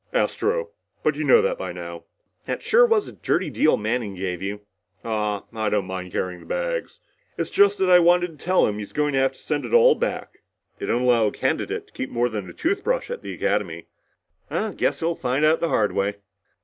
"Astro, but you know that by now." "That sure was a dirty deal Manning gave you." "Ah, I don't mind carrying his bags. It's just that I wanted to tell him he's going to have to send it all back. They don't allow a candidate to keep more than a toothbrush at the Academy." "Guess he'll find out the hard way."